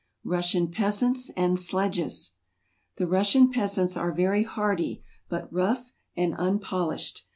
Russian Peasants and Sledges . The Russian peasants are very hardy, but rough and unpolished.